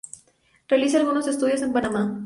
Realiza algunos estudios en Panamá.